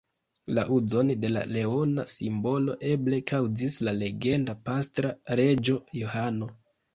La uzon de la leona simbolo eble kaŭzis la legenda pastra reĝo Johano.